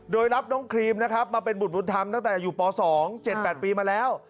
โดยรับน้องครีมนะครับมาเป็นบุตรบุญธรรมตั้งแต่อยู่ป๒๗๘ปีมาแล้ว